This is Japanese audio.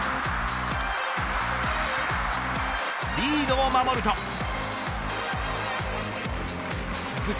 リードを守ると続く